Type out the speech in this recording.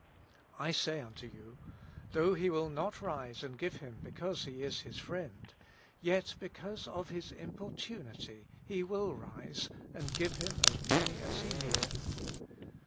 I say unto you though he will not rise and give hv?i because he is HIS friend, yet because of his importunity he will rise and give him, as piany as he needeth.